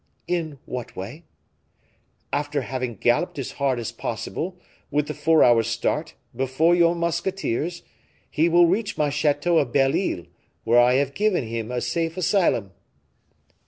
"In what way?" "After having galloped as hard as possible, with the four hours' start, before your musketeers, he will reach my chateau of Belle Isle, where I have given him a safe asylum."